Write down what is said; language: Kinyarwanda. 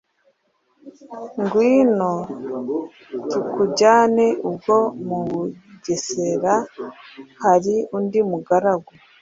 « ngwino tukujyane! ubwo mu bugesera hari undi mugaragu